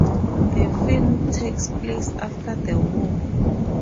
The film takes place after the war.